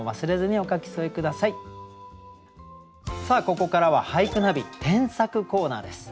さあここからは「俳句ナビ添削コーナー」です。